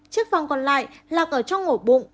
chiếc vòng còn lại lạc ở trong ổ bụng